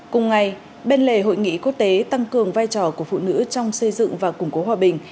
cùng ngày bên lề hội nghị quốc tế tăng cường vai trò của phụ nữ trong xây dựng và củng cố hòa bình